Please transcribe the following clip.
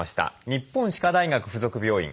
日本歯科大学附属病院